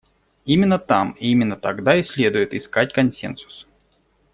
Именно там и именно тогда и следует искать консенсус.